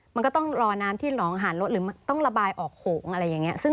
มันก็ต้องรอน้ำที่หนองหานรถหรือต้องระบายออกโขงอะไรอย่างนี้